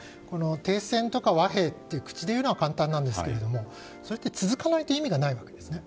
停戦とか和平って口で言うのは簡単なんですが続かないと意味がないわけですね。